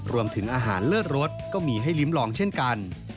รวมถึงอาหารเลิศรสก็มีให้ลิ้มลองเช่นกัน